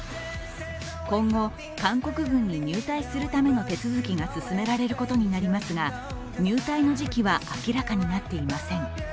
今後、韓国軍に入隊するための手続きが進められることになりますが入隊の時期は明らかになっていません。